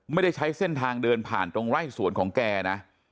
ไม่ได้ใช้เส้นทางเดินผ่านตรงไร่สวนของแกนะ